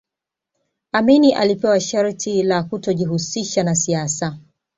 amini alipewa sharti la kutojihusisha na siasa